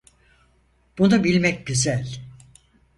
Bunu bilmek güzel.